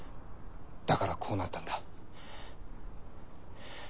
だからこうなったんだ。